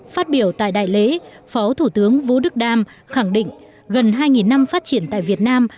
phát biểu tại đại lễ phó thủ tướng vũ đức đam khẳng định gần hai năm phát triển tại việt nam